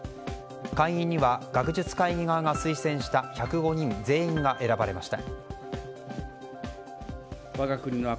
会員には学術会議側が推薦した１０５人全員が選ばれました。